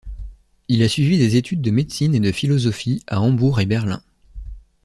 Il a suivi des études de médecine et de philosophie à Hambourg et Berlin.